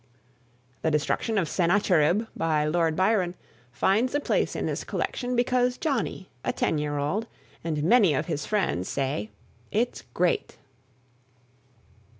"The Destruction of Sennacherib," by Lord Byron, finds a place in this collection because Johnnie, a ten year old, and many of his friends say, "It's great."